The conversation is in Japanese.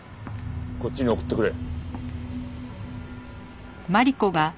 こっちに送ってくれ。